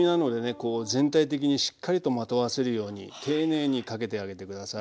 こう全体的にしっかりとまとわせるように丁寧にかけてあげて下さい。